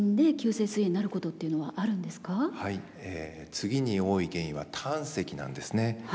次に多い原因は胆石なんですね。